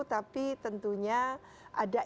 tapi tentunya ada